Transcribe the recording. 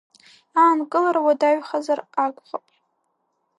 Аанкылара уадаҩхазар акәхап…